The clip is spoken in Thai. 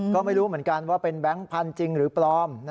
ก็ไม่รู้เหมือนกันว่าเป็นแบงค์พันธุ์จริงหรือปลอม